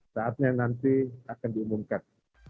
saatnya nanti akan diumumkan